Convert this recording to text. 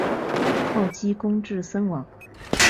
后积功至森王。